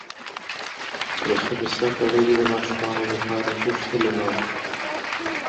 د خبیثه کړۍ د ماتولو لپاره هېڅ هیله نه وه.